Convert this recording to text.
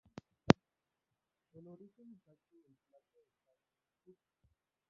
El origen exacto del plato están en disputa.